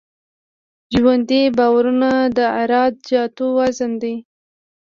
ژوندي بارونه د عراده جاتو وزن دی